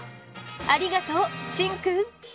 ありがとうシンくん！